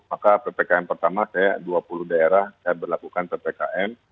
maka ppkm pertama saya dua puluh daerah saya berlakukan ppkm